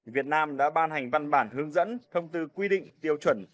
việt nam đã ban hành văn bản hướng dẫn thông tư quy định tiêu chuẩn